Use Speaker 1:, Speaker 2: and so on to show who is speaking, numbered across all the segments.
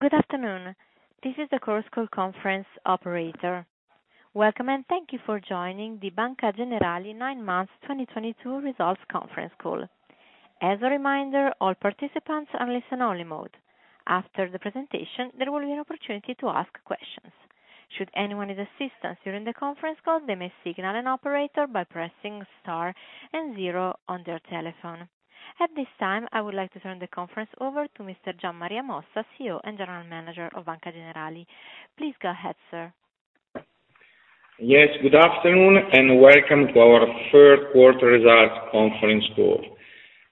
Speaker 1: Good afternoon. This is the conference call operator. Welcome, and thank you for joining the Banca Generali nine months 2022 results conference call. As a reminder, all participants are in listen-only mode. After the presentation, there will be an opportunity to ask questions. Should anyone need assistance during the conference call, they may signal an operator by pressing star and zero on their telephone. At this time, I would like to turn the conference over to Mr. Gian Maria Mossa, CEO and General Manager of Banca Generali. Please go ahead, sir.
Speaker 2: Yes. Good afternoon, and welcome to our third quarter results conference call.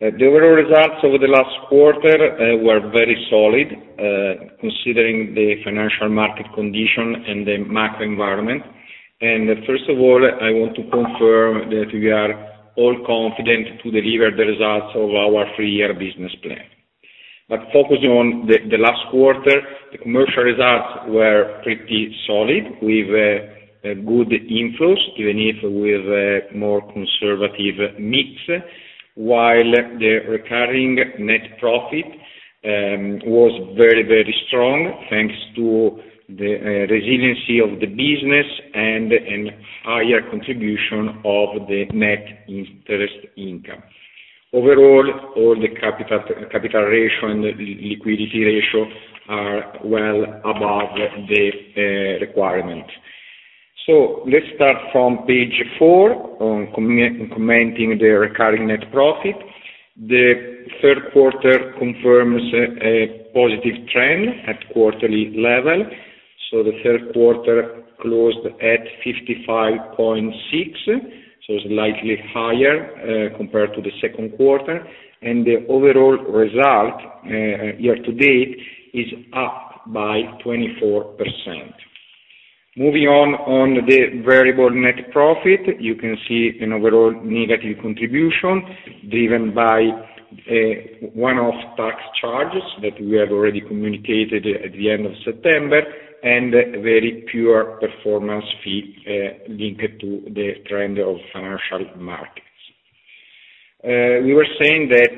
Speaker 2: The overall results over the last quarter were very solid, considering the financial market condition and the macro environment. First of all, I want to confirm that we are all confident to deliver the results of our three-year business plan. Focusing on the last quarter, the commercial results were pretty solid, with a good inflows, even if with a more conservative mix, while the recurring net profit was very, very strong, thanks to the resiliency of the business and a higher contribution of the net interest income. Overall, all the capital ratio and liquidity ratio are well above the requirement. Let's start from page four on commenting the recurring net profit. The third quarter confirms a positive trend at quarterly level. The third quarter closed at 55.6%, slightly higher compared to the second quarter. The overall result year-to-date is up by 24%. Moving on to the variable net profit, you can see an overall negative contribution, driven by one-off tax charges that we have already communicated at the end of September, and very poor performance fee linked to the trend of financial markets. We were saying that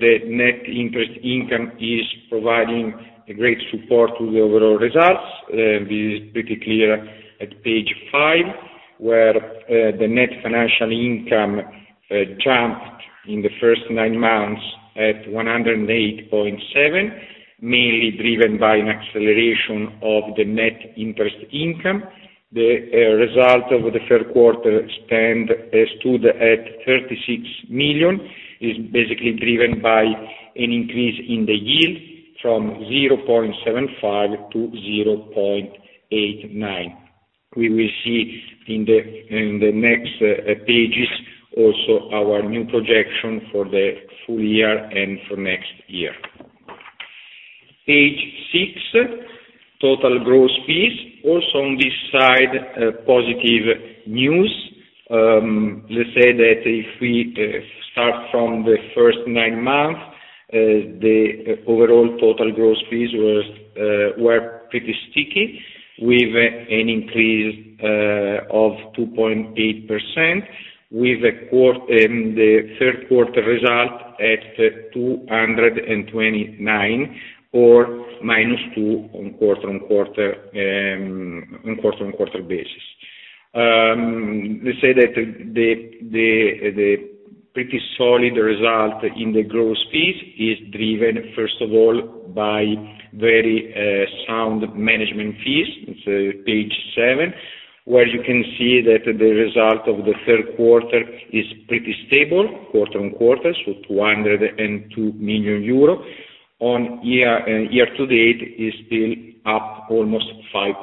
Speaker 2: the net interest income is providing great support to the overall results. This is pretty clear at page 5, where the net financial income jumped in the first nine months at 108.7 million, mainly driven by an acceleration of the net interest income. The result of the third quarter stood at 36 million, is basically driven by an increase in the yield from 0.75 to 0.89. We will see in the next pages also our new projection for the full year and for next year. Page six, total gross fees. Also on this side, positive news. Let's say that if we start from the first nine months, the overall total gross fees were pretty sticky with an increase of 2.8%. In the third quarter result at 229 or -2% on quarter-on-quarter basis. Let's say that the pretty solid result in the gross fees is driven, first of all, by very sound management fees. Page 7, where you can see that the result of the third quarter is pretty stable quarter-on-quarter, so 202 million euro. On year-on-year to date is still up almost 5%.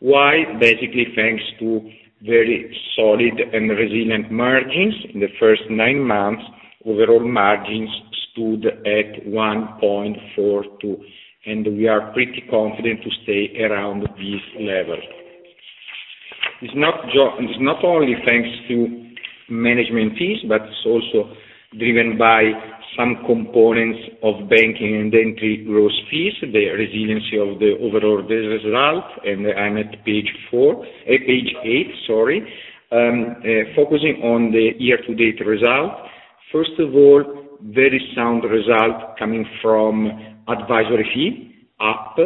Speaker 2: Why? Basically, thanks to very solid and resilient margins. In the first nine months, overall margins stood at 1.42%, and we are pretty confident to stay around this level. It's not only thanks to management fees, but it's also driven by some components of banking and entry gross fees, the resiliency of the overall business result. I'm at page 4, page 8, sorry. Focusing on the year to date result, first of all, very sound result coming from advisory fee, up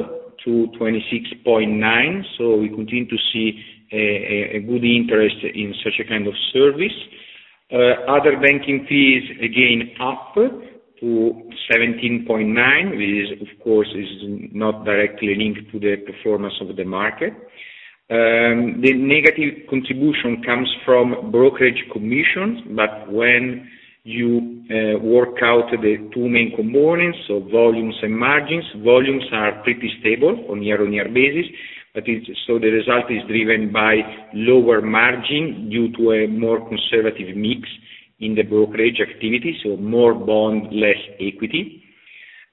Speaker 2: to 26.9 million. We continue to see a good interest in such a kind of service. Other banking fees, again, up to 17.9 million, which of course is not directly linked to the performance of the market. The negative contribution comes from brokerage commissions, but when you work out the two main components, so volumes and margins, volumes are pretty stable on year-on-year basis. The result is driven by lower margin due to a more conservative mix in the brokerage activity, so more bond, less equity.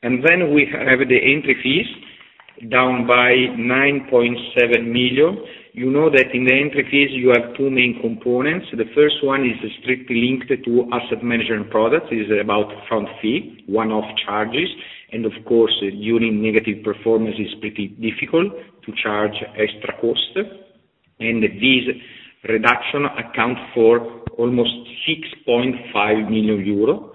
Speaker 2: We have the entry fees down by 9.7 million. You know that in the entry fees you have two main components. The first one is strictly linked to asset management products, is about front fee, one-off charges. Of course during negative performance it's pretty difficult to charge extra cost. This reduction accounts for almost 6.5 million euro.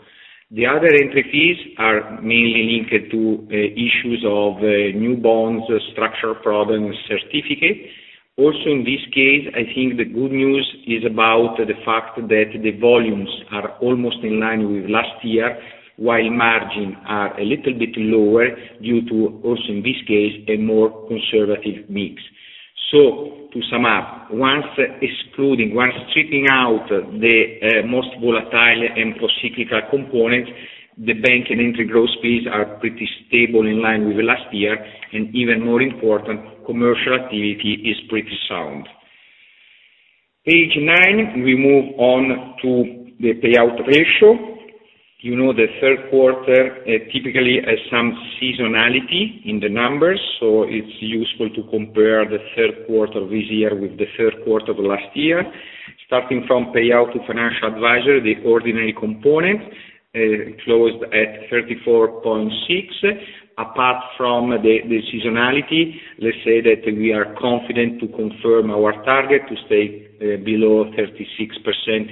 Speaker 2: The other entry fees are mainly linked to issues of new bonds, structured products, certificates. Also in this case, I think the good news is about the fact that the volumes are almost in line with last year, while margins are a little bit lower due to, also in this case, a more conservative mix. To sum up, once excluding, once stripping out the most volatile and procyclical component, the banking and entry growth fees are pretty stable in line with last year, and even more important, commercial activity is pretty sound. Page nine, we move on to the payout ratio. You know the third quarter typically has some seasonality in the numbers, so it's useful to compare the third quarter of this year with the third quarter of last year. Starting from payout to financial advisory, the ordinary component closed at 34.6%. Apart from the seasonality, let's say that we are confident to confirm our target to stay below 36%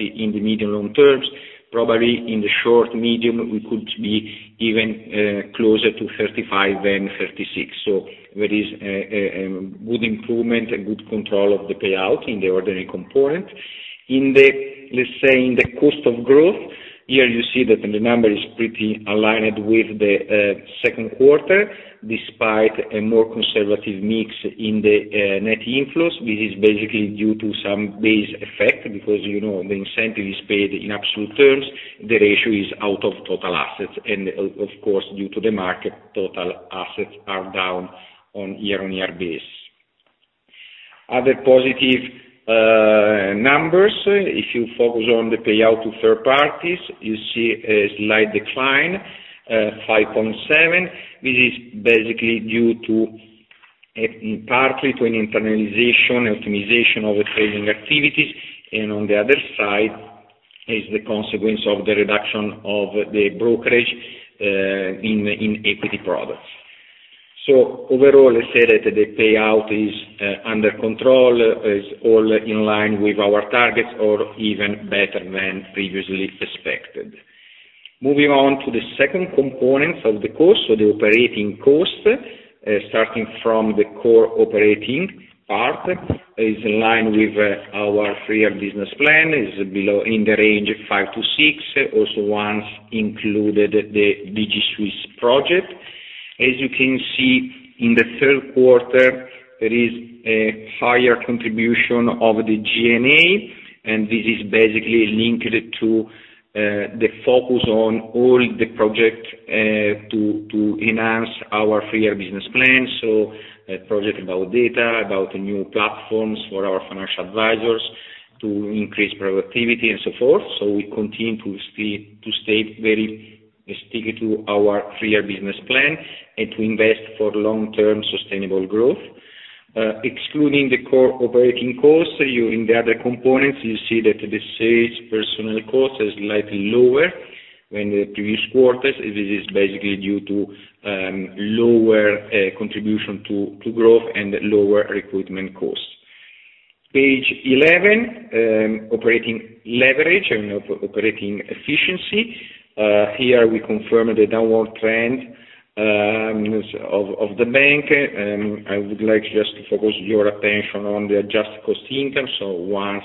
Speaker 2: in the medium long terms. Probably in the short-medium, we could be even closer to 35% than 36%. So there is a good improvement and good control of the payout in the ordinary component. In the cost of growth, here you see that the number is pretty aligned with the second quarter, despite a more conservative mix in the net inflows. This is basically due to some base effect because, you know, the incentive is paid in absolute terms. The ratio is out of total assets, and of course, due to the market, total assets are down on year-on-year basis. Other positive numbers, if you focus on the payout to third parties, you see a slight decline, 5.7%. This is basically due to, partly to an internalization, optimization of the trading activities, and on the other side is the consequence of the reduction of the brokerage, in equity products. Overall, let's say that the payout is under control, is all in line with our targets or even better than previously expected. Moving on to the second component of the cost, so the operating cost, starting from the core operating part, is in line with our three-year business plan. It's below, in the range of 5-6, also once included the DigiSwiss project. As you can see, in the third quarter, there is a higher contribution of the G&A, and this is basically linked to the focus on all the project to enhance our three-year business plan. A project about data, about new platforms for our financial advisors to increase productivity and so forth. We continue to stay very sticky to our three-year business plan and to invest for long-term sustainable growth. Excluding the core operating costs, in the other components, you see that the sales personnel cost is slightly lower than the previous quarters. This is basically due to lower contribution to growth and lower recruitment costs. Page 11, operating leverage and operating efficiency. Here we confirm the downward trend of the bank. I would like just to focus your attention on the adjusted cost-income. Once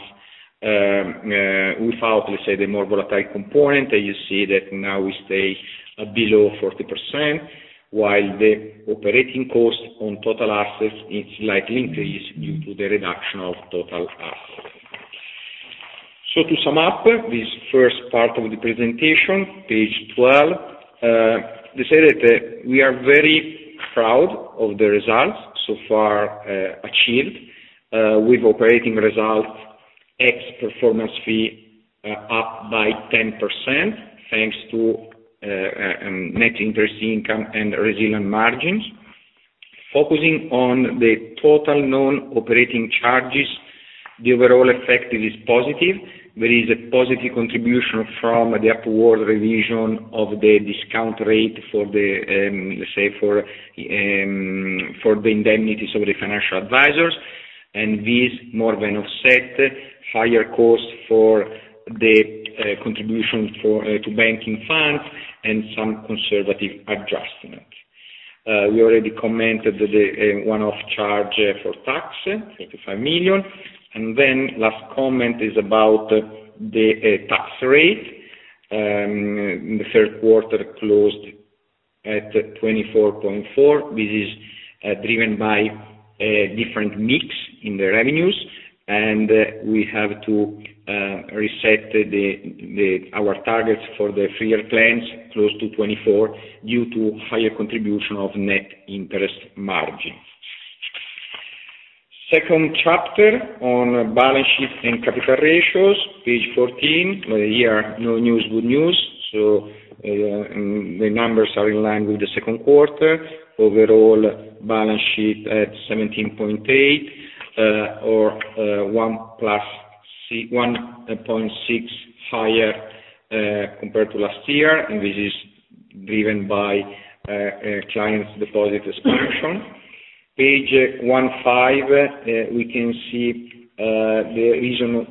Speaker 2: without, let's say, the more volatile component, you see that now we stay below 40%, while the operating cost on total assets is slightly increased due to the reduction of total assets. To sum up this first part of the presentation, page 12, they say that we are very proud of the results so far achieved with operating results ex performance fee up by 10%, thanks to net interest income and resilient margins. Focusing on the total non-operating charges, the overall effect is positive. There is a positive contribution from the upward revision of the discount rate for the indemnities of the financial advisors, and this more than offset higher costs for the contribution to banking funds and some conservative adjustment. We already commented the one-off charge for tax, 85 million. Last comment is about the tax rate. The third quarter closed at 24.4%. This is driven by a different mix in the revenues, and we have to reset our targets for the three-year plans close to 24% due to higher contribution of net interest margin. Second chapter on balance sheet and capital ratios, page 14. Here, no news, good news. The numbers are in line with the second quarter. Overall balance sheet at 17.8 or 16.1 higher compared to last year. This is driven by clients' deposit expansion. Page 15, we can see the reason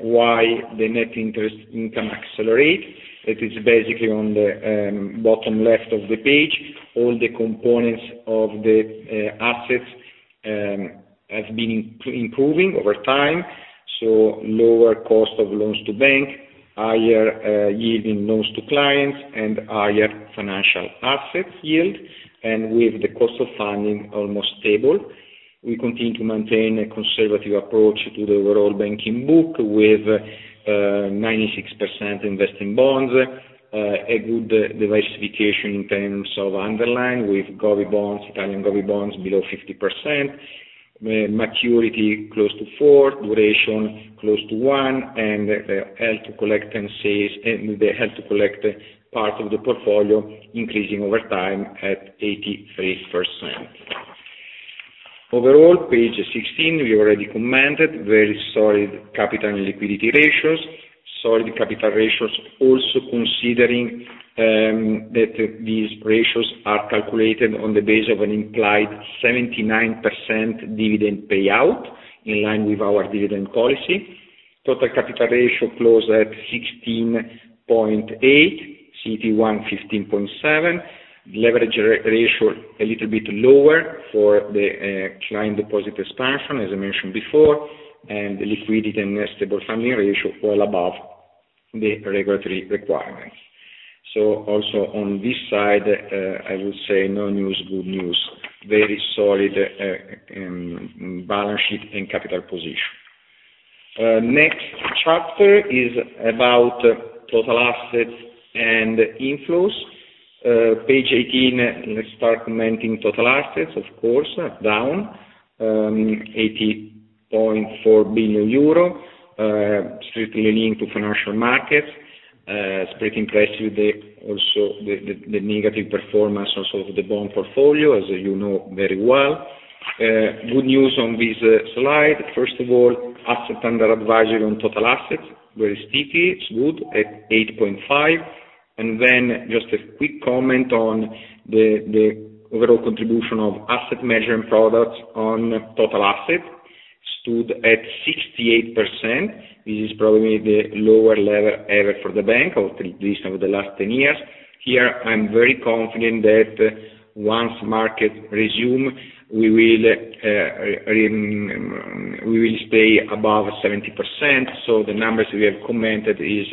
Speaker 2: why the net interest income accelerate. It is basically on the bottom left of the page. All the components of the assets have been improving over time, so lower cost of loans to bank, higher yield in loans to clients, and higher financial assets yield. With the cost of funding almost stable, we continue to maintain a conservative approach to the overall banking book, with 96% invest in bonds, a good diversification in terms of underlying with govie bonds, Italian govie bonds below 50%. Maturity close to four, duration close to one, and the held to collect part of the portfolio increasing over time at 83%. Overall, page 16, we already commented, very solid capital and liquidity ratios. Solid capital ratios also considering that these ratios are calculated on the base of an implied 79% dividend payout, in line with our dividend policy. Total capital ratio closed at 16.8, CET1 15.7. Leverage ratio a little bit lower for the client deposit expansion, as I mentioned before, and the liquidity and stable funding ratio all above the regulatory requirements. Also on this side, I would say no news, good news. Very solid balance sheet and capital position. Next chapter is about total assets and inflows. Page eighteen, let's start commenting total assets, of course, are down, 80.4 billion euro, strictly linked to financial markets. It's pretty impressive, the negative performance also of the bond portfolio, as you know very well. Good news on this slide. First of all, assets under advisory on total assets, very sticky, it's good, at 8.5%. Then just a quick comment on the overall contribution of asset management products on total assets. Stood at 68%. This is probably the lower level ever for the bank, or at least over the last 10 years. Here, I'm very confident that once markets resume, we will stay above 70%. The numbers we have commented is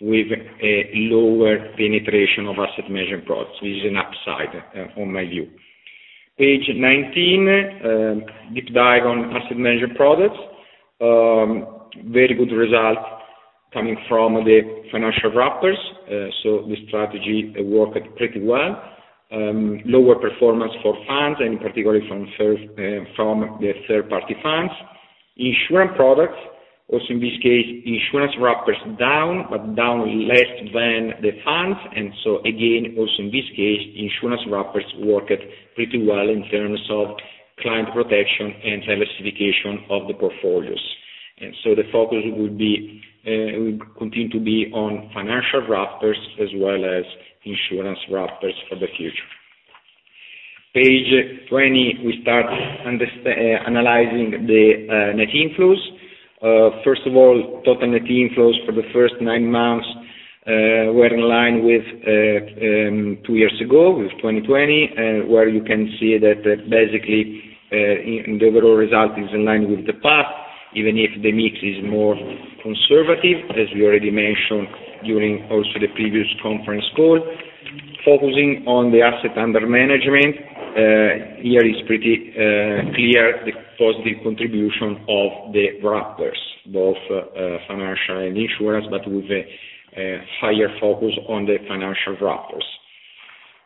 Speaker 2: with a lower penetration of asset management products. This is an upside, in my view. Page nineteen, deep dive on asset management products. Very good result coming from the financial wrappers. So the strategy worked pretty well. Lower performance for funds and in particular from the third-party funds. Insurance products, also in this case, insurance wrappers down, but down less than the funds. Again, also in this case, insurance wrappers worked pretty well in terms of client protection and diversification of the portfolios. The focus will be, will continue to be on financial wrappers as well as insurance wrappers for the future. Page twenty, we start analyzing the net inflows. First of all, total net inflows for the first nine months were in line with two years ago, with 2020, where you can see that that basically the overall result is in line with the path, even if the mix is more conservative, as we already mentioned during also the previous conference call. Focusing on the assets under management, here is pretty clear the positive contribution of the wrappers, both financial and insurance, but with a higher focus on the financial wrappers.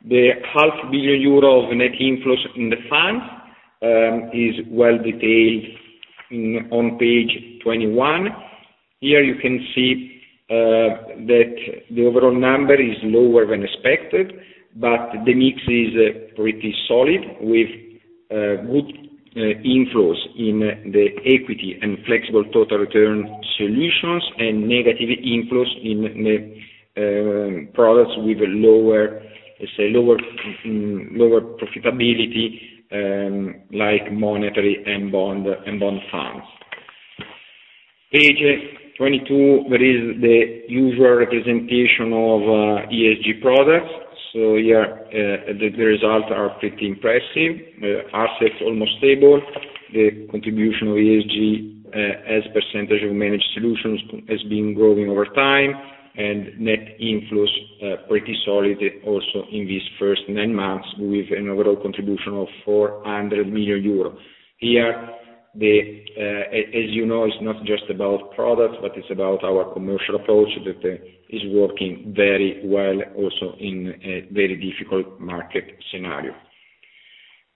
Speaker 2: The 500 million euro of net inflows in the fund is well detailed on page 21. Here you can see that the overall number is lower than expected, but the mix is pretty solid with good inflows in the equity and flexible total return solutions and negative inflows in the products with lower, let's say, lower profitability like monetary and bond funds. Page 22, there is the usual representation of ESG products. Here, the results are pretty impressive. Assets almost stable. The contribution of ESG as a percentage of managed solutions has been growing over time. Net inflows pretty solid also in these first nine months, with an overall contribution of 400 million euros. Here, as you know, it's not just about products, but it's about our commercial approach that is working very well also in a very difficult market scenario.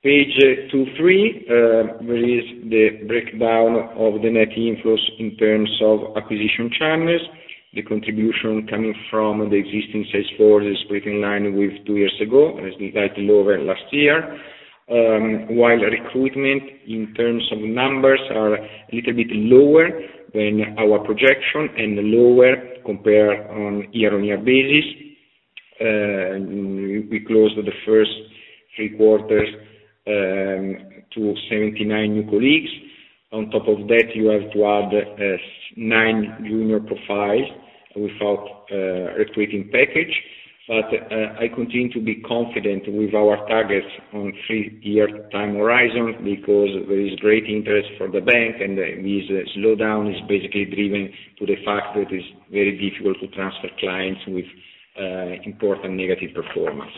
Speaker 2: Page 23, there is the breakdown of the net inflows in terms of acquisition channels. The contribution coming from the existing sales floor is pretty in line with two years ago, and it's slightly lower than last year. While recruitment in terms of numbers are a little bit lower than our projection and lower compared on year-on-year basis. We closed the first three quarters to 79 new colleagues. On top of that you have to add nine junior profiles without recruiting package. I continue to be confident with our targets on three-year time horizon because there is great interest for the bank, and this slowdown is basically driven to the fact that it's very difficult to transfer clients with important negative performance.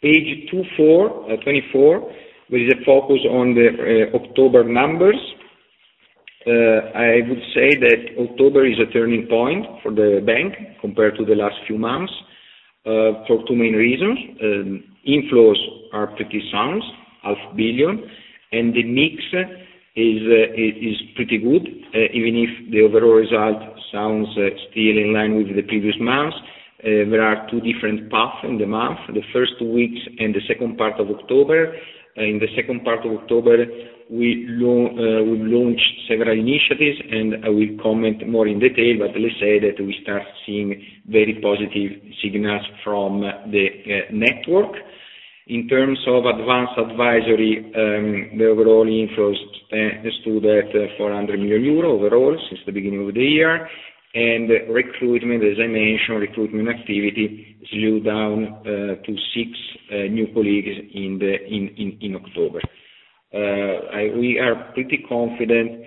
Speaker 2: Page 24, which is a focus on the October numbers. I would say that October is a turning point for the bank compared to the last few months for two main reasons. Inflows are pretty sound, 500 million, and the mix is pretty good, even if the overall result sounds still in line with the previous months. There are two different paths in the month, the first two weeks and the second part of October. In the second part of October, we launched several initiatives, and I will comment more in detail, but let's say that we start seeing very positive signals from the network. In terms of advanced advisory, the overall inflows stood at 400 million euro overall since the beginning of the year. Recruitment, as I mentioned, recruitment activity slowed down to six new colleagues in October. We are pretty confident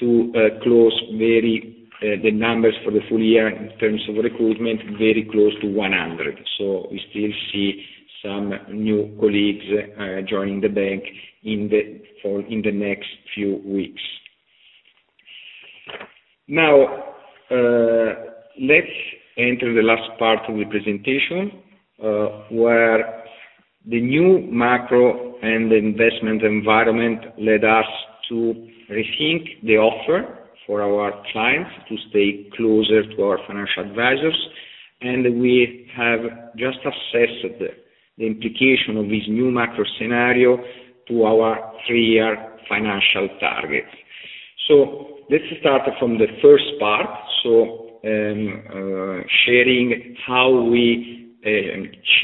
Speaker 2: to close very close to the numbers for the full year in terms of recruitment, very close to 100. We still see some new colleagues joining the bank in the next few weeks. Now, let's enter the last part of the presentation, where the new macro and investment environment led us to rethink the offer for our clients to stay closer to our financial advisors. We have just assessed the implication of this new macro scenario to our three-year financial targets. Let's start from the first part, sharing how we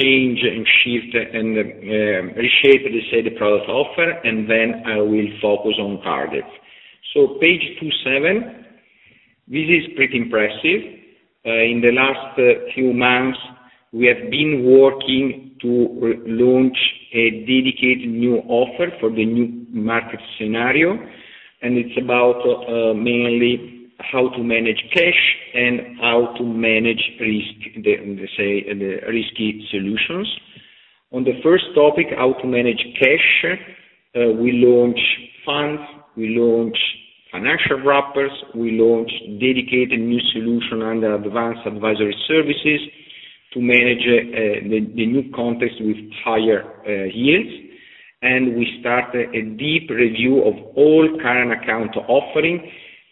Speaker 2: change and shift and reshape, let's say, the product offer, and then I will focus on targets. Page 27, this is pretty impressive. In the last few months, we have been working to re-launch a dedicated new offer for the new market scenario, and it's about mainly how to manage cash and how to manage risk, the risky solutions. On the first topic, how to manage cash, we launch funds, we launch financial wrappers, we launch dedicated new solution under advanced advisory services to manage the new context with higher yields. We start a deep review of all current account offerings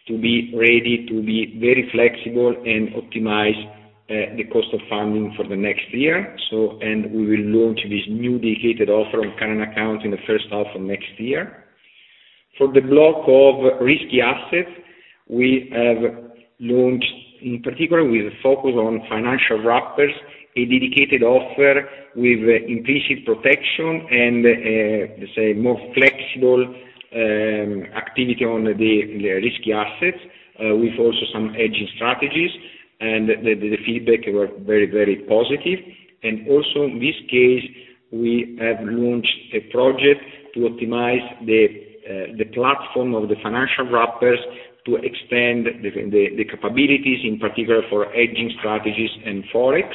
Speaker 2: to be ready to be very flexible and optimize the cost of funding for the next year. We will launch this new dedicated offer of current accounts in the first half of next year. For the block of risky assets, we have launched, in particular, with a focus on financial wrappers, a dedicated offer with increased protection and, let's say, more flexible, activity on the risky assets, with also some hedging strategies. The feedback were very, very positive. Also in this case, we have launched a project to optimize the platform of the financial wrappers to expand the capabilities, in particular for hedging strategies and Forex.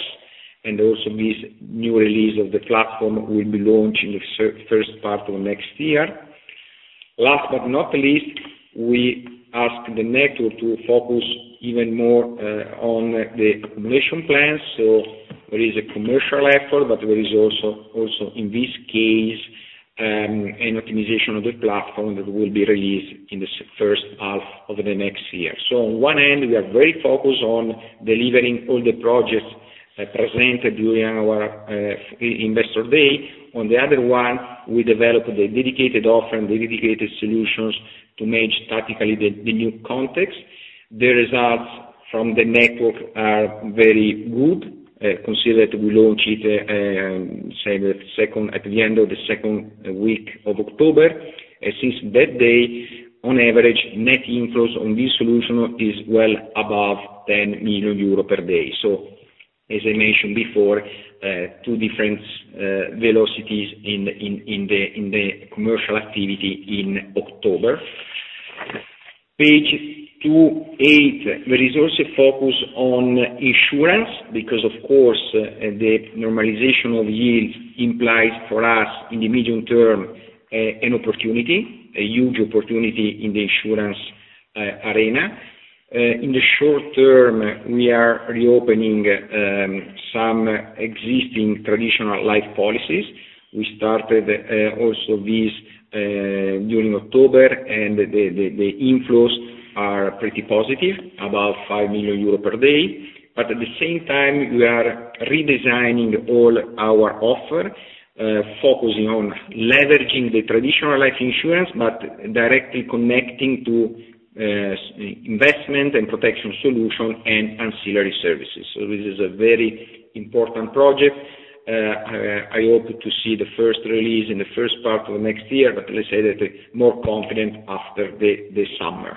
Speaker 2: Also this new release of the platform will be launched in the first part of next year. Last but not least, we ask the network to focus even more on the accumulation plans. There is a commercial effort, but there is also in this case an optimization of the platform that will be released in the first half of the next year. On one end, we are very focused on delivering all the projects presented during our investor day. On the other one, we developed the dedicated offer and dedicated solutions to manage tactically the new context. The results from the network are very good, considering that we launched it at the end of the second week of October. Since that day, on average, net inflows on this solution is well above 10 million euro per day. As I mentioned before, two different velocities in the commercial activity in October. Page 28. There is also a focus on insurance because, of course, the normalization of yields implies for us in the medium term, an opportunity, a huge opportunity in the insurance arena. In the short term, we are reopening some existing traditional life policies. We started also this during October, and the inflows are pretty positive, about 5 million euros per day. At the same time, we are redesigning all our offer, focusing on leveraging the traditional life insurance, but directly connecting to investment and protection solution and ancillary services. This is a very important project. I hope to see the first release in the first part of next year, but let's say that more confident after the summer.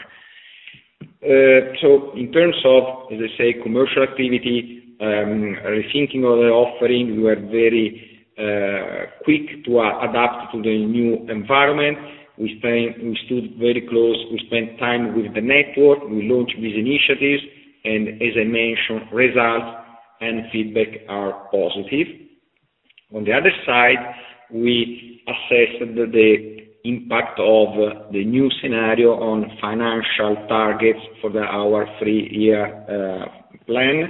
Speaker 2: In terms of, as I say, commercial activity, rethinking of the offering, we're very quick to adapt to the new environment. We stood very close, we spent time with the network, we launched these initiatives, and as I mentioned, results and feedback are positive. On the other side, we assessed the impact of the new scenario on financial targets for our three-year plan.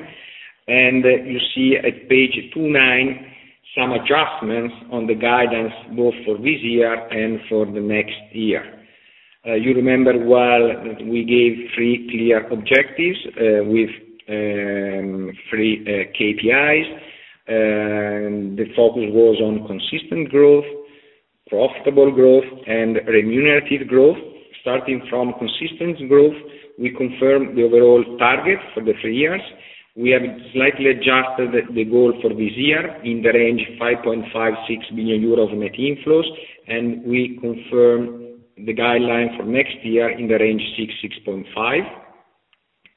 Speaker 2: You see at page 29 some adjustments on the guidance both for this year and for the next year. You remember well that we gave three clear objectives with three KPIs. The focus was on consistent growth, profitable growth, and remunerative growth. Starting from consistent growth, we confirmed the overall target for the three years. We have slightly adjusted the goal for this year in the range 5.5 billion-6 billion euros net inflows, and we confirm the guideline for next year in the range 6 billion-6.5 billion.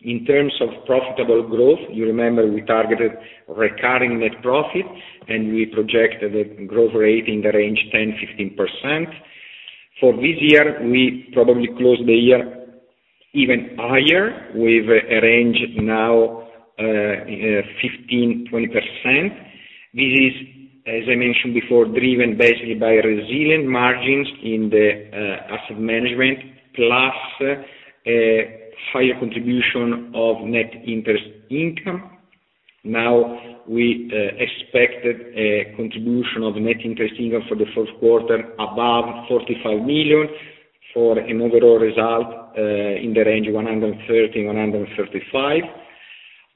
Speaker 2: In terms of profitable growth, you remember we targeted recurring net profit, and we projected a growth rate in the range 10%-15%. For this year, we probably closed the year even higher. We have a range now, 15%-20%. This is, as I mentioned before, driven basically by resilient margins in the asset management, plus a higher contribution of net interest income. Now we expected a contribution of net interest income for the first quarter above 45 million for an overall result in the range 130 million-135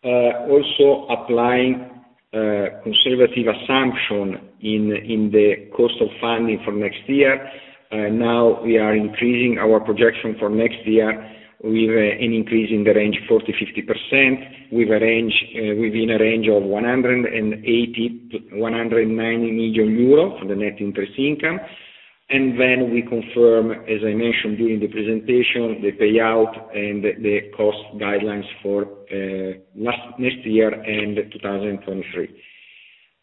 Speaker 2: million. Also applying a conservative assumption in the cost of funding for next year. Now we are increasing our projection for next year with an increase in the range 40%-50%. We have a range within a range of 180 million-190 million euro for the net interest income. Then we confirm, as I mentioned during the presentation, the payout and the cost guidelines for next year and 2023.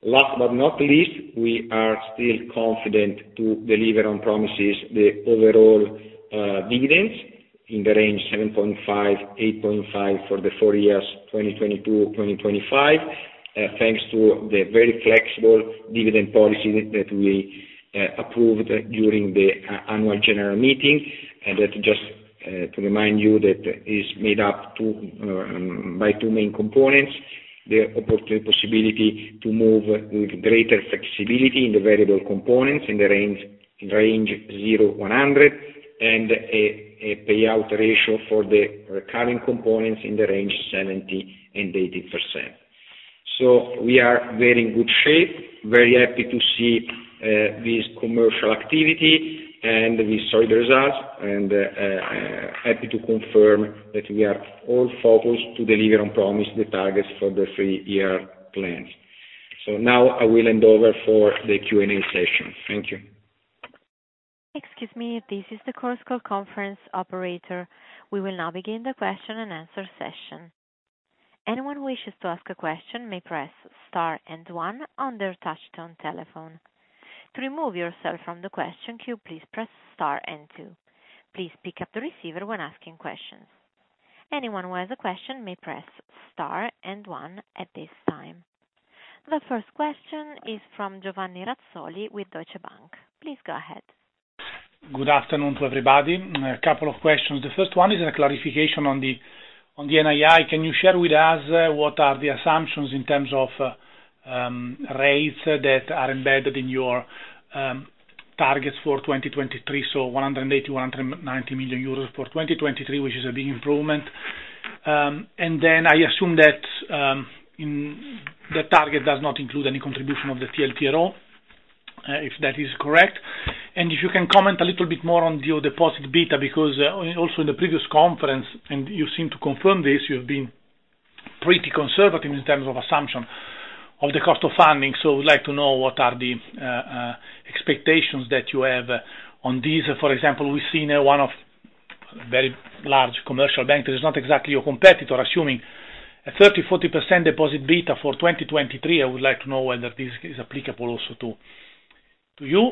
Speaker 2: Last but not least, we are still confident to deliver on promises the overall dividends in the range 7.5-8.5 for the four years 2022-2025, thanks to the very flexible dividend policy that we approved during the annual general meeting. That just to remind you that is made up of two main components, the possibility to move with greater flexibility in the variable components in the range 0-100, and a payout ratio for the recurring components in the range 70%-80%. We are in very good shape, very happy to see this commercial activity, and we saw the results, and happy to confirm that we are all focused to deliver and promise the targets for the three-year plans. Now I will hand over for the Q&A session. Thank you.
Speaker 1: Excuse me. This is the conference call operator. We will now begin the question-and-answer session. Anyone who wishes to ask a question may press star and one on their touchtone telephone. To remove yourself from the question queue, please press star and two. Please pick up the receiver when asking questions. Anyone who has a question may press star and one at this time. The first question is from Giovanni Razzoli with Deutsche Bank. Please go ahead.
Speaker 3: Good afternoon to everybody. A couple of questions. The first one is a clarification on the NII. Can you share with us what are the assumptions in terms of rates that are embedded in your targets for 2023, so 180 million-190 million euros for 2023, which is a big improvement. I assume that the target does not include any contribution of the TLTRO, if that is correct. If you can comment a little bit more on your deposit beta, because also in the previous conference, and you seem to confirm this, you have been pretty conservative in terms of assumption of the cost of funding. I would like to know what are the expectations that you have on these. For example, we've seen one of very large commercial bank, that is not exactly your competitor, assuming a 30%-40% deposit beta for 2023. I would like to know whether this is applicable also to you.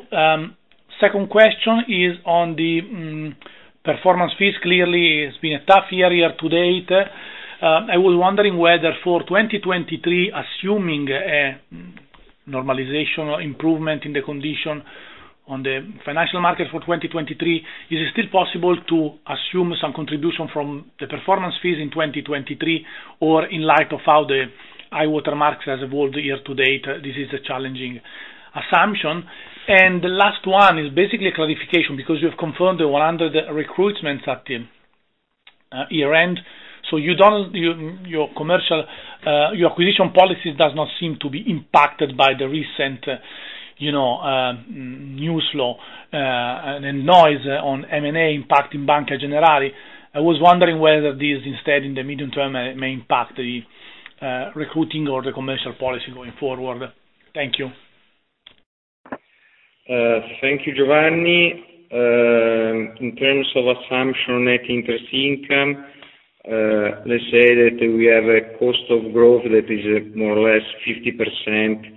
Speaker 3: Second question is on the performance fees. Clearly, it's been a tough year to date. I was wondering whether for 2023, assuming a normalization or improvement in the conditions of the financial market for 2023, is it still possible to assume some contribution from the performance fees in 2023, or in light of how the high-water marks have evolved year to date, this is a challenging assumption. The last one is basically a clarification, because you have confirmed the 100 recruitments at the year-end. So you don't... Your commercial your acquisition policy does not seem to be impacted by the recent, you know, news flow, and noise on M&A impact in Banca Generali. I was wondering whether this, instead, in the medium term, may impact the recruiting or the commercial policy going forward. Thank you.
Speaker 2: Thank you, Giovanni. In terms of assumption net interest income, let's say that we have a cost of growth that is more or less 50%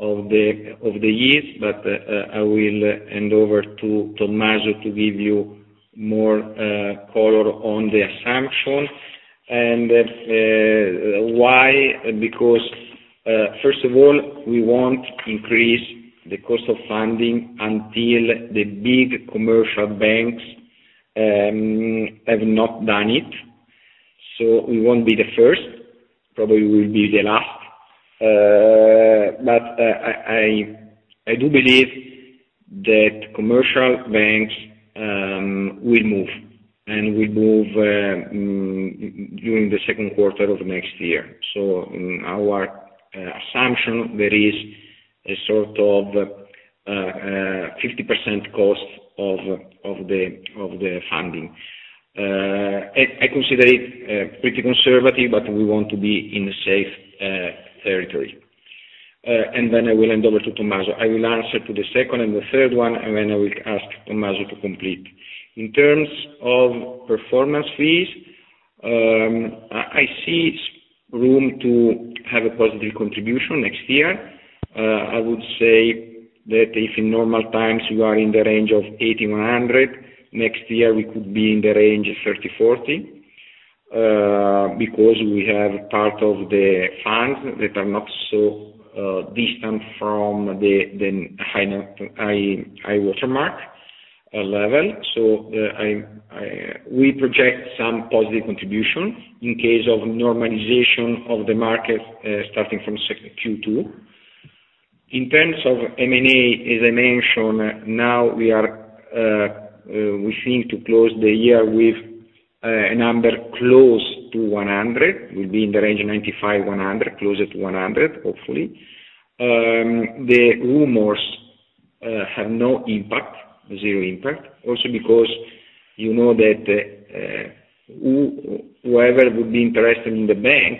Speaker 2: of the year. I will hand over to Tommaso to give you more color on the assumption. Why? Because first of all, we won't increase the cost of funding until the big commercial banks have done it. We won't be the first, probably we will be the last. I do believe that commercial banks will move during the second quarter of next year. Our assumption there is a sort of 50% cost of the funding. I consider it pretty conservative, but we want to be in safe territory. I will hand over to Tommaso. I will answer to the second and the third one, and then I will ask Tommaso to complete. In terms of performance fees, I see room to have a positive contribution next year. I would say that if in normal times you are in the range of 80-100, next year we could be in the range of 30-40, because we have part of the funds that are not so distant from the high-water mark level. We project some positive contribution in case of normalization of the market, starting from Q2. In terms of M&A, as I mentioned, now we seem to close the year with a number close to 100. We'll be in the range of 95%-100%, closer to 100%, hopefully. The rumors have no impact, 0 impact. Also because you know that whoever would be interested in the bank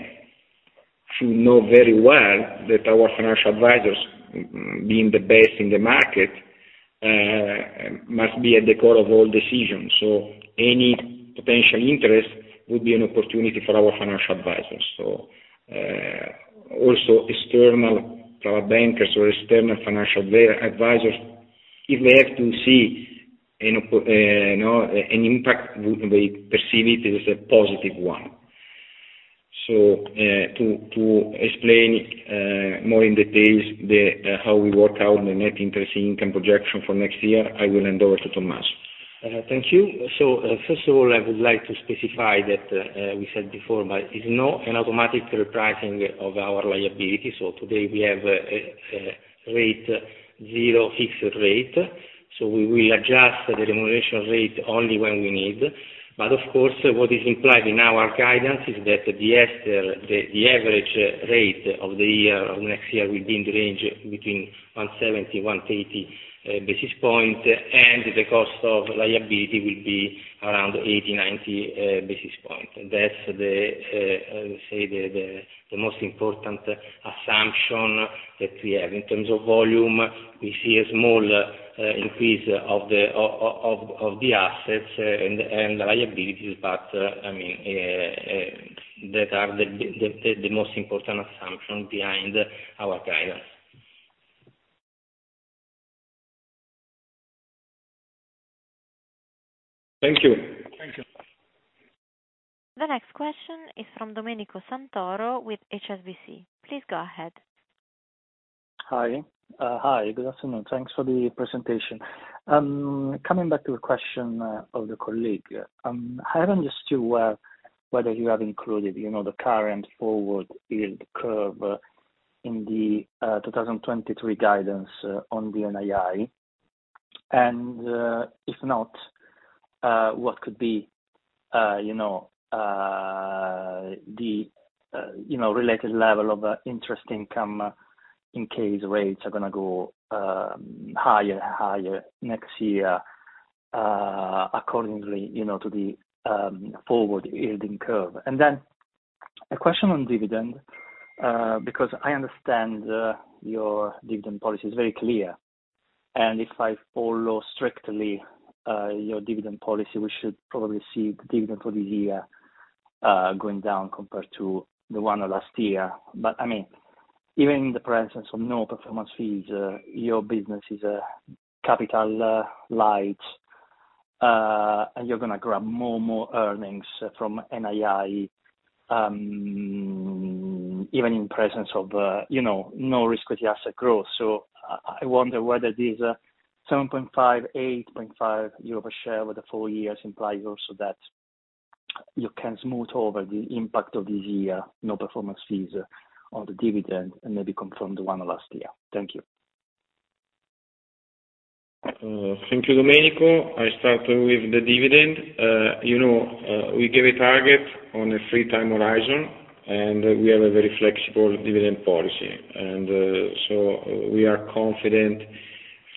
Speaker 2: should know very well that our financial advisors, being the best in the market, must be at the core of all decisions. Any potential interest would be an opportunity for our financial advisors. Also external private bankers or external financial advisors, if they have to see an impact, they perceive it as a positive one. To explain more in detail how we work out the net interest income projection for next year, I will hand over to Tommaso.
Speaker 4: Thank you. First of all, I would like to specify that we said before, but it's not an automatic repricing of our liability. Today we have a zero fixed rate. We will adjust the remuneration rate only when we need. Of course, what is implied in our guidance is that the €STR, the average rate of next year, will be in the range between 170-180 basis points, and the cost of liability will be around 80-90 basis points. That's the most important assumption that we have. In terms of volume, we see a small increase of the assets and liabilities, but I mean, that are the most important assumption behind our guidance.
Speaker 3: Thank you.
Speaker 2: Thank you.
Speaker 1: The next question is from Domenico Santoro with HSBC. Please go ahead.
Speaker 5: Hi. Hi. Good afternoon. Thanks for the presentation. Coming back to the question of the colleague. I haven't understood well whether you have included, you know, the current forward yield curve in the 2023 guidance on the NII. If not, what could be, you know, the related level of interest income in case rates are gonna go higher and higher next year, accordingly, you know, to the forward yield curve. Then a question on dividend because I understand your dividend policy is very clear. If I follow strictly your dividend policy, we should probably see the dividend for this year going down compared to the one last year. I mean, even in the presence of no performance fees, your business is capital light. You're gonna grab more earnings from NII, even in presence of, you know, no risk with the asset growth. I wonder whether these 7.5-8.5 euro per share over the four years implies also that you can smooth over the impact of this year, no performance fees on the dividend, and maybe confirm the one last year. Thank you.
Speaker 2: Thank you, Domenico. I start with the dividend. You know, we gave a target on a three-year horizon, and we have a very flexible dividend policy. We are confident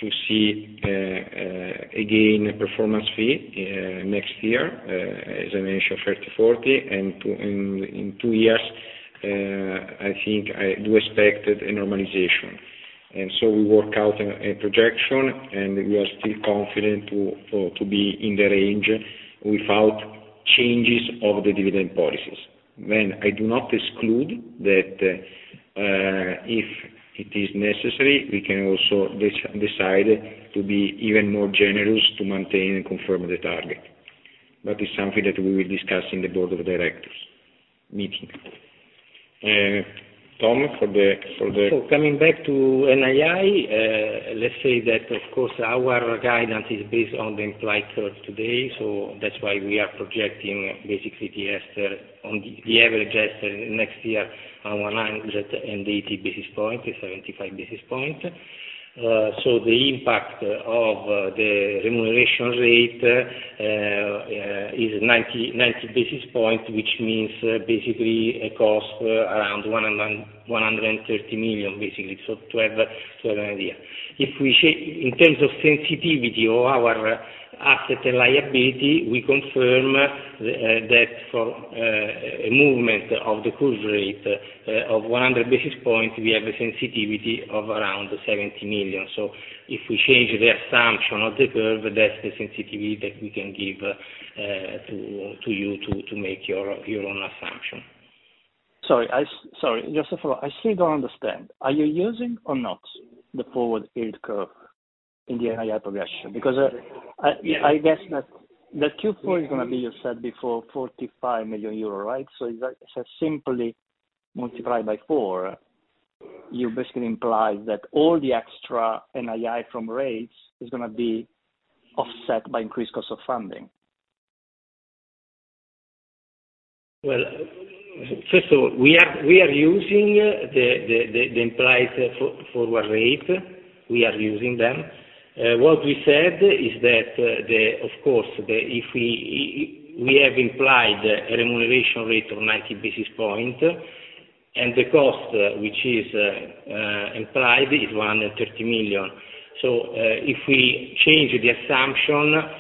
Speaker 2: to see again a performance fee next year, as I mentioned, 30-40. In two years, I think I expect a normalization. We work out a projection, and we are still confident to be in the range without changes to the dividend policy. I do not exclude that, if it is necessary, we can also decide to be even more generous to maintain and confirm the target. That is something that we will discuss in the board of directors meeting. Tom, for the,
Speaker 4: Coming back to NII, let's say that of course our guidance is based on the implied growth today, that's why we are projecting basically the spread on the average assets next year on 180-75 basis points. The impact of the remuneration rate is 90 basis points, which means basically a cost around 130 million, so to have an idea. In terms of sensitivity of our assets and liabilities, we confirm that for a movement of the curve rate of 100 basis points, we have a sensitivity of around 70 million. If we change the assumption of the curve, that's the sensitivity that we can give to you to make your own assumption.
Speaker 5: Sorry. Sorry, just follow. I still don't understand. Are you using or not the forward yield curve in the NII progression? Because, I guess that the Q4 is gonna be, you said before, 45 million euro, right? So if I simply multiply by four, you basically imply that all the extra NII from rates is gonna be offset by increased cost of funding.
Speaker 4: Well, first of all, we are using the implied forward rate. We are using them. What we said is that of course, if we have implied a remuneration rate of 90 basis points, and the cost which is implied is 130 million. If we change the assumption,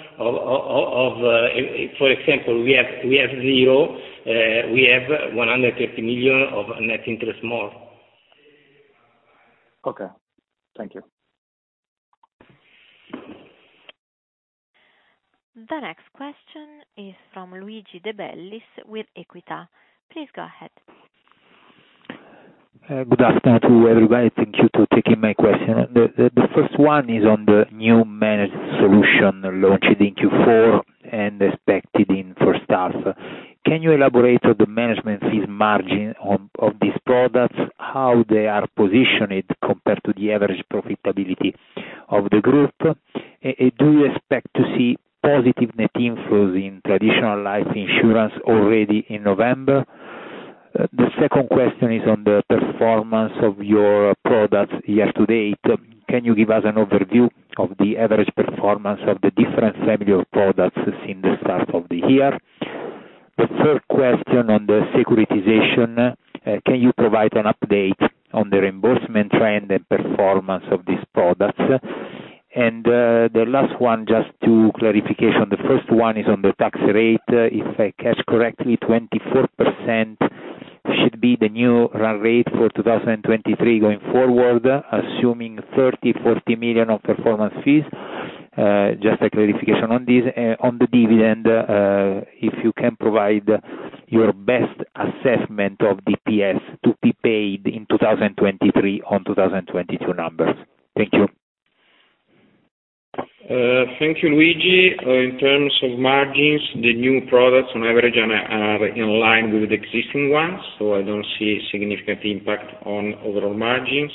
Speaker 4: for example, we have zero, we have 130 million of net interest more.
Speaker 5: Okay. Thank you.
Speaker 1: The next question is from Luigi De Bellis with Equita. Please go ahead.
Speaker 6: Good afternoon, everybody. Thank you for taking my question. The first one is on the new managed solution launched in Q4 and expected in first half. Can you elaborate on the management fees margin of these products, how they are positioned compared to the average profitability of the group? Do you expect to see positive net inflows in traditional life insurance already in November? The second question is on the performance of your products year to date. Can you give us an overview of the average performance of the different family of products since the start of the year? The third question on the securitization, can you provide an update on the reimbursement trend and performance of these products? The last one, just two clarification. The first one is on the tax rate. If I catch correctly, 24% should be the new run rate for 2023 going forward, assuming 30 million-40 million of performance fees. Just a clarification on this. On the dividend, if you can provide your best assessment of DPS to be paid in 2023 on 2022 numbers. Thank you.
Speaker 2: Thank you, Luigi. In terms of margins, the new products on average are in line with the existing ones, so I don't see significant impact on overall margins.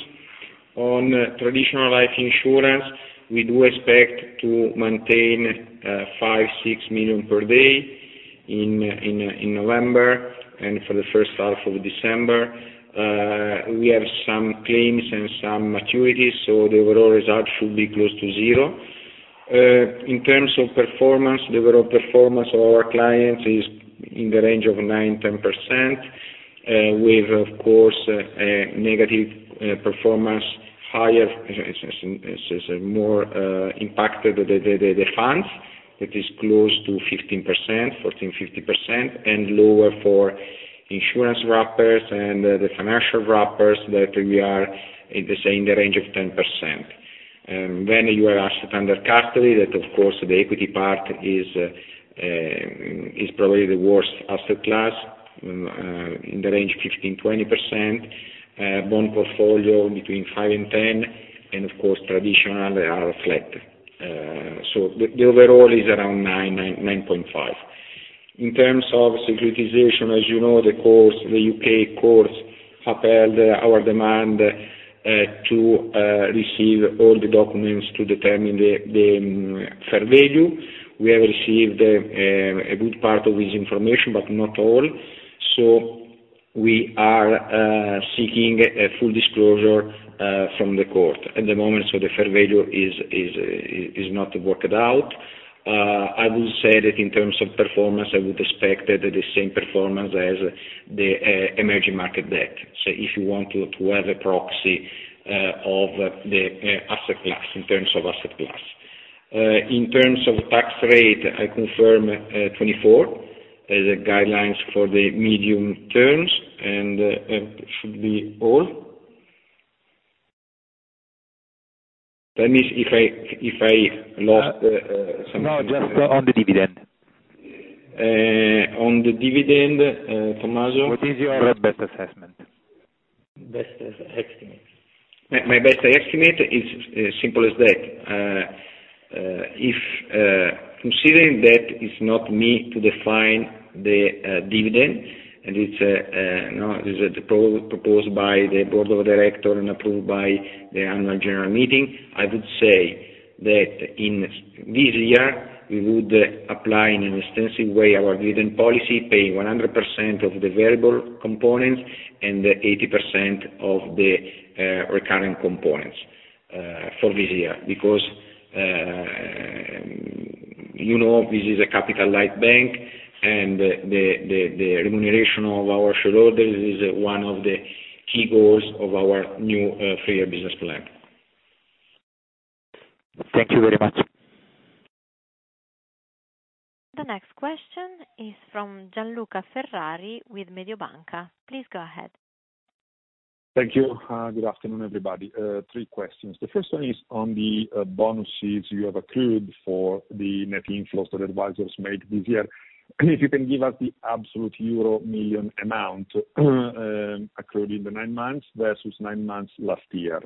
Speaker 2: On traditional life insurance, we do expect to maintain 5 million-6 million per day in November and for the first half of December. We have some claims and some maturities, so the overall result should be close to zero. In terms of performance, the overall performance of our clients is in the range of 9%-10%, with, of course, negative performance higher since more impacted the funds that is close to 15%, 14.5%, and lower for insurance wrappers and the financial wrappers that we are in the same range of 10%. When you ask under custody, that of course the equity part is probably the worst asset class in the range 15%-20%. Bond portfolio between 5%-10%, and of course traditional are flat. The overall is around 9.5%. In terms of securitization, as you know, the courts, the U.K. courts upheld our demand to receive all the documents to determine the fair value. We have received a good part of this information, but not all. We are seeking a full disclosure from the court. At the moment, the fair value is not worked out. I will say that in terms of performance, I would expect that the same performance as the emerging market debt. If you want to have a proxy of the asset class in terms of asset class. In terms of tax rate, I confirm 24 as a guideline for the medium term and it should be all. Tell me if I lost something.
Speaker 6: No, just on the dividend.
Speaker 2: On the dividend, Tommaso?
Speaker 6: What is your best assessment? Best estimate.
Speaker 2: My best estimate is as simple as that. If considering that it's not me to define the dividend, and it's you know, it is proposed by the board of director and approved by the annual general meeting, I would say that in this year we would apply in an extensive way our dividend policy, paying 100% of the variable components and 80% of the recurring components for this year. Because you know, this is a capital light bank and the remuneration of our shareholders is one of the key goals of our new three-year business plan.
Speaker 6: Thank you very much.
Speaker 1: The next question is from Gianluca Ferrari with Mediobanca. Please go ahead.
Speaker 7: Thank you. Good afternoon, everybody. Three questions. The first one is on the bonuses you have accrued for the net inflows that advisors made this year. If you can give us the absolute euro million amount accrued in the nine months versus nine months last year.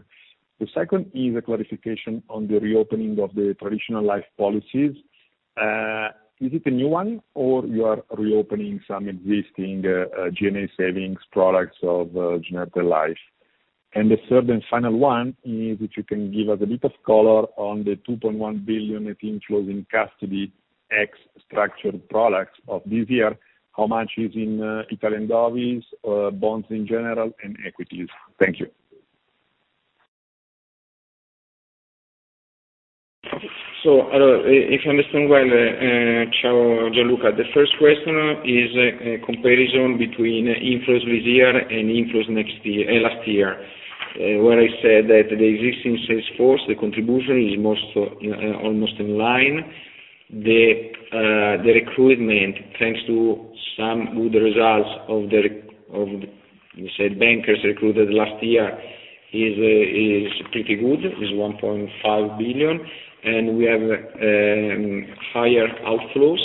Speaker 7: The second is a clarification on the reopening of the traditional life policies. Is it a new one or you are reopening some existing Gestione Separata savings products of Generali? The third and final one is if you can give us a bit of color on the 2.1 billion net inflows in custody and structured products of this year, how much is in Italian govies, bonds in general and equities? Thank you.
Speaker 2: If I understand well, Ciao, Gianluca, the first question is a comparison between inflows this year and inflows last year, where I said that the existing sales force, the contribution is almost in line. The recruitment, thanks to some good results of the bankers recruited last year is pretty good, 1.5 billion. We have higher outflows.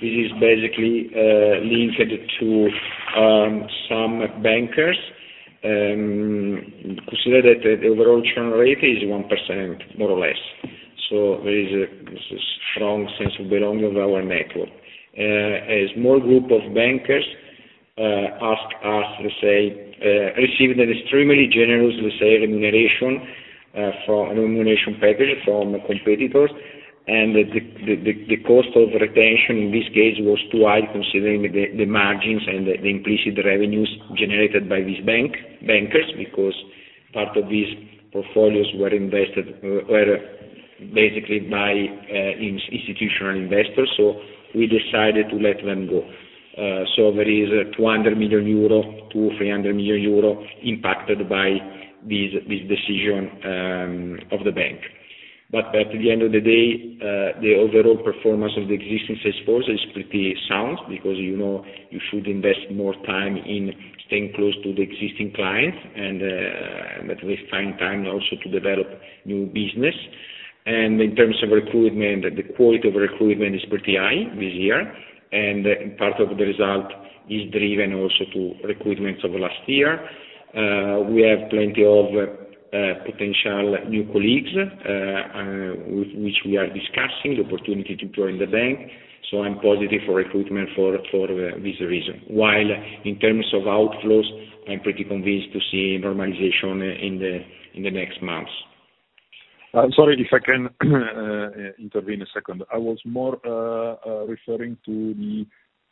Speaker 2: This is basically linked to some bankers. Consider that the overall churn rate is 1%, more or less. There is a strong sense of belonging of our network. A small group of bankers received an extremely generous, let's say, remuneration package from competitors. The cost of retention in this case was too high considering the margins and the implicit revenues generated by these bankers, because part of these portfolios were basically by institutional investors, so we decided to let them go. There is 200 million-300 million euro impacted by this decision of the bank. At the end of the day, the overall performance of the existing sales force is pretty sound because, you know, you should invest more time in staying close to the existing clients and, but we find time also to develop new business. In terms of recruitment, the quality of recruitment is pretty high this year, and part of the result is driven also due to recruitments of last year. We have plenty of potential new colleagues with which we are discussing the opportunity to join the bank. I'm positive for recruitment for this reason. While in terms of outflows, I'm pretty convinced to see normalization in the next months.
Speaker 7: I'm sorry if I can intervene a second. I was more referring to the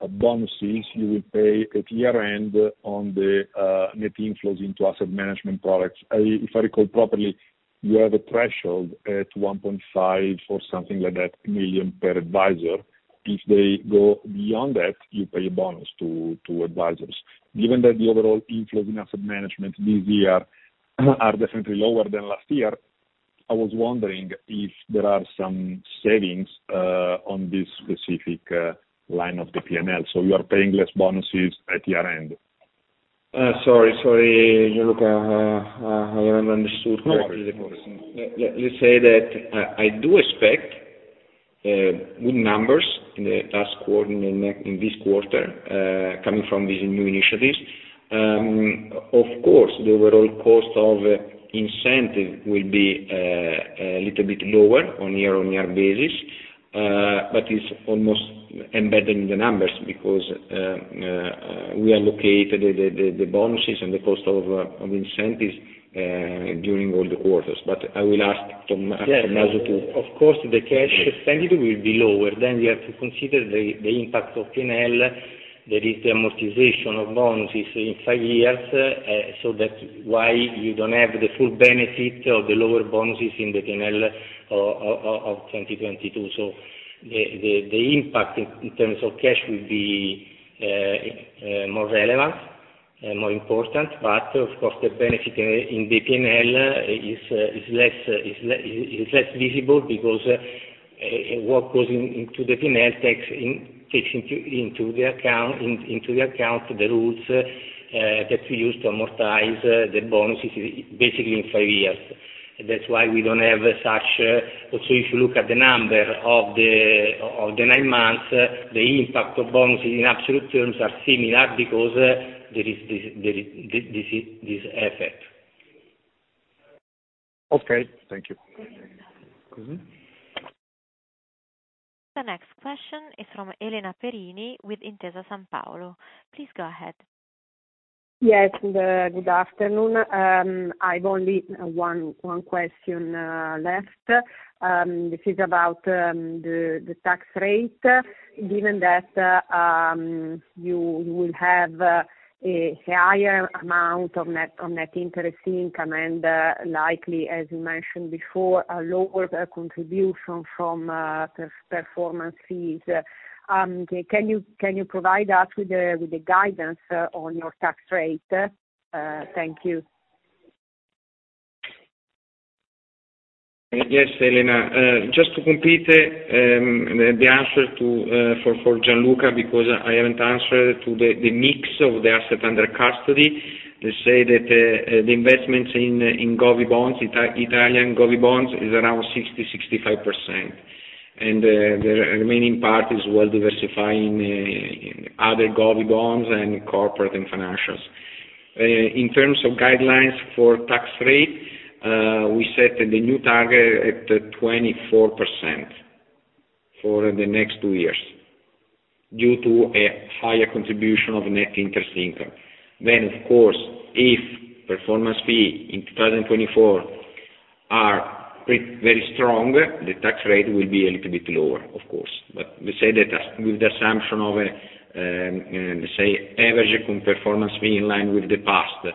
Speaker 7: bonuses you will pay at year-end on the net inflows into asset management products. If I recall properly, you have a threshold at 1.5 million or something like that per advisor. If they go beyond that, you pay a bonus to advisors. Given that the overall inflows in asset management this year are definitely lower than last year, I was wondering if there are some savings on this specific line of the P&L. You are paying less bonuses at year-end.
Speaker 2: Sorry, Gianluca. I haven't understood correctly the question. Let's say that I do expect good numbers in the last quarter, in this quarter, coming from these new initiatives. Of course, the overall cost of incentive will be a little bit lower on year-on-year basis, but it's almost embedded in the numbers because we allocate the bonuses and the cost of incentives during all the quarters. I will ask Tommaso.
Speaker 4: Yes.
Speaker 2: Tommaso Russo
Speaker 4: Of course, the cash extended will be lower. We have to consider the impact of P&L. There is the amortization of bonuses in five years, so that's why you don't have the full benefit of the lower bonuses in the P&L of 2022. The impact in terms of cash will be more relevant and more important, but of course, the benefit in the P&L is less visible because what goes into the P&L takes into account the rules that we use to amortize the bonuses basically in five years. That's why we don't have such. Also, if you look at the number of the nine months, the impact of bonuses in absolute terms are similar because there is this effect.
Speaker 2: Okay. Thank you.
Speaker 1: The next question is from Elena Perini with Intesa Sanpaolo. Please go ahead.
Speaker 8: Yes, good afternoon. I've only one question left. This is about the tax rate. Given that you will have a higher amount of net interest income, and likely, as you mentioned before, a lower contribution from performance fees. Can you provide us with the guidance on your tax rate? Thank you.
Speaker 2: Yes, Elena. Just to complete the answer to for Gianluca, because I haven't answered to the mix of the asset under custody. Let's say that the investments in Govie bonds, Italian govie bonds is around 65%. The remaining part is well diversifying other Govie bonds and corporate and financials. In terms of guidelines for tax rate, we set the new target at 24% for the next two years due to a higher contribution of net interest income. Of course, if performance fee in 2024 are very strong, the tax rate will be a little bit lower, of course. We say that as... With the assumption of, let's say, average performance fee in line with the past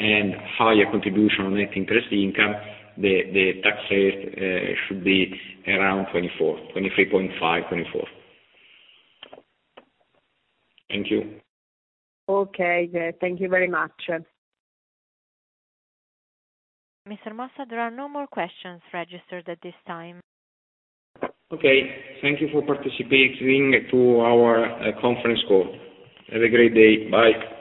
Speaker 2: and higher contribution on net interest income, the tax rate should be around 23.5%-24%. Thank you.
Speaker 8: Okay. Thank you very much.
Speaker 1: Mr. Mossa, there are no more questions registered at this time.
Speaker 2: Okay. Thank you for participating to our conference call. Have a great day. Bye.